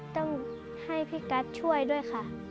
ต้องให้พี่กัสช่วยด้วยค่ะ